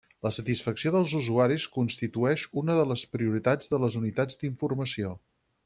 La satisfacció dels usuaris constitueix una de les prioritats de les unitats d’informació.